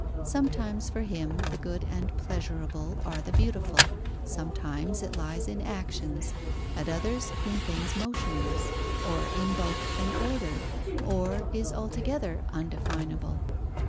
Sometimes for him the good and pleasurable are the beautiful, sometimes it lies in actions, at others in things motionless, or in bulk and order, or is altogether undefinable.